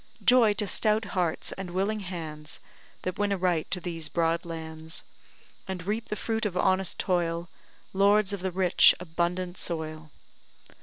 Joy, to stout hearts and willing hands, That win a right to these broad lands, And reap the fruit of honest toil, Lords of the rich, abundant soil.